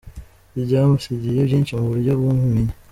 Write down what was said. Ryamusigiye byinshi mu buryo bw’ubumenyi.